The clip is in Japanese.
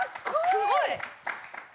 すごい！